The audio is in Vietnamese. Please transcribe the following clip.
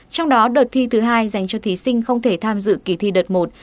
trong đó đợt thi thứ hai dành cho thí sinh không thể tham dự kỳ thi đợt một